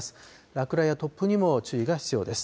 落雷や突風にも注意が必要です。